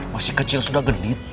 masih kecil sudah gede